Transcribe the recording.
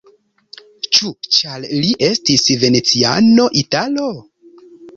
Ĉu ĉar li estis veneciano, italo?